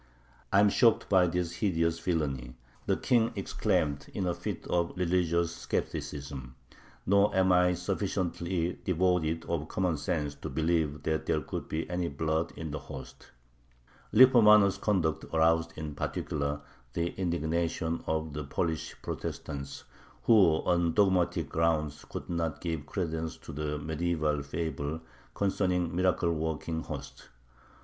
"I am shocked by this hideous villainy," the King exclaimed in a fit of religious skepticism, "nor am I sufficiently devoid of common sense to believe that there could be any blood in the host." Lippomano's conduct aroused in particular the indignation of the Polish Protestants, who on dogmatic grounds could not give credence to the medieval fable concerning miracle working hosts.